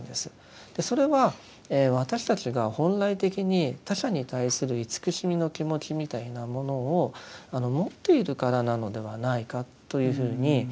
それは私たちが本来的に他者に対する慈しみの気持ちみたいなものを持っているからなのではないかというふうに思いました。